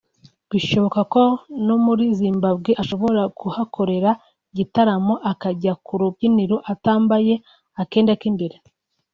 bishoboka ko no muri Zimbabwe ashobora kuhakorera igitaramo akajya ku rubyiniro atambaye akenda k’imbere